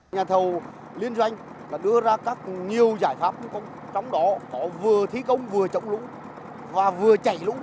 nhà thầu liên doanh đưa ra các nhiều giải pháp trong đó có vừa thi công vừa trọng lũ và vừa chạy lũ